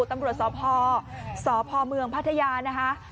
ตำรวจสอบภอร์สอบภอร์เมืองพัทยานะคะ